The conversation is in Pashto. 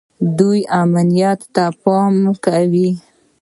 دوی امنیت ته پاملرنه کوي.